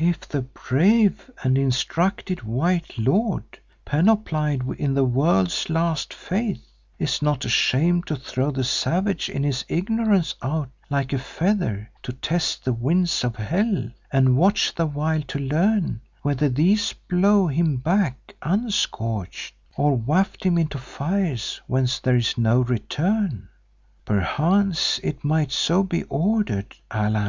"If the brave and instructed white lord, panoplied in the world's last Faith, is not ashamed to throw the savage in his ignorance out like a feather to test the winds of hell and watch the while to learn whether these blow him back unscorched, or waft him into fires whence there is no return, perchance it might so be ordered, Allan.